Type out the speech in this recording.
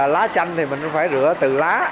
lá chanh thì mình cũng phải rửa từ lá